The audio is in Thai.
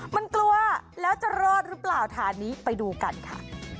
มันกลัวแล้วจะรอดหรือเปล่าฐานนี้ไปดูกันค่ะ